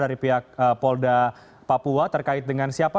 dari pihak polda papua terkait dengan siapa